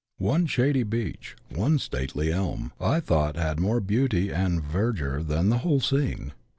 One shady beech, one stately elm, I thought had more beauty and verdure than the whole scene.